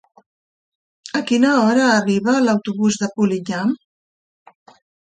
A quina hora arriba l'autobús de Polinyà?